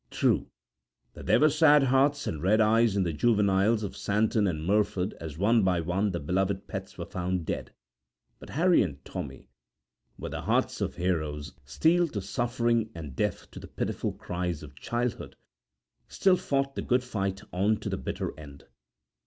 True that there were sad hearts and red eyes in the juveniles of Santon and Merford as one by one the beloved pets were found dead, but Harry and Tommy, with the hearts of heroes steeled to suffering and deaf to the pitiful cries of childhood, still fought the good fight on to the bitter end.